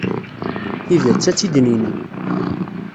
Tidet, ad tt-id-nini.